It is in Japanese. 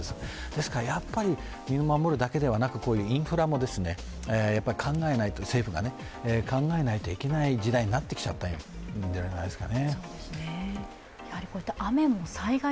ですから身を守るだけではなくインフラも政府が考えないといけない時代に来ちゃったんじゃないかと思います。